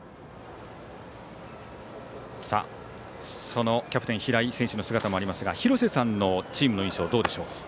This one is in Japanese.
そのキャプテン平井選手の姿もありますが廣瀬さんのチームの印象どうでしょうか？